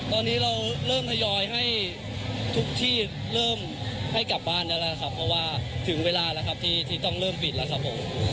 ตอนนี้เราเริ่มทยอยให้ทุกที่เริ่มให้กลับบ้านแล้วนะครับเพราะว่าถึงเวลาแล้วครับที่ต้องเริ่มปิดแล้วครับผม